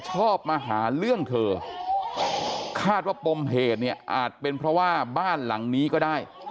ชอบมาหาเรื่องเธอคาดว่าปมเหตุเนี่ยอาจเป็นเพราะว่าบ้านหลังนี้ก็ได้